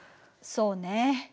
そうね。